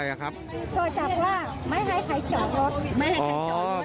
บอกจากว่าไม่ให้ใครจอดรถ